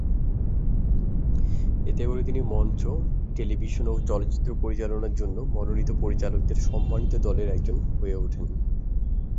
এতে করে তিনি মঞ্চ, টেলিভিশন ও চলচ্চিত্র পরিচালনার জন্য মনোনীত পরিচালকদের সম্মানিত দলের একজন হয়ে ওঠেন।